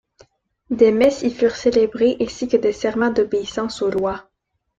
Des messes y furent célébrées ainsi que des serments d'obéissance aux lois.